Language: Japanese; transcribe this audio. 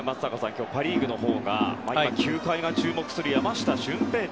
今日はパ・リーグのほうが球界が注目する山下舜平大。